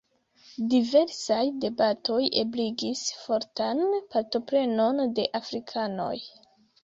Diversaj debatoj ebligis fortan partoprenon de afrikanoj.